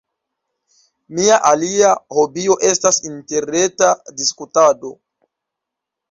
Mia alia hobio estas interreta diskutado.